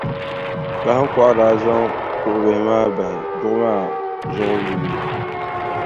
Kahiŋkɔɣu daa zaŋ kuɣʼ bihi maa bahi duɣu ma zuɣu yimyim.